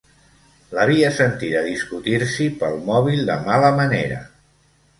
L'havia sentida discutir-s'hi pel mòbil de mala manera.